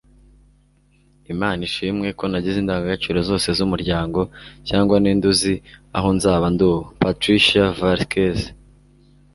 imana ishimwe ko nagize indangagaciro zose z'umuryango cyangwa ninde uzi aho nzaba ndi ubu. - patricia velasquez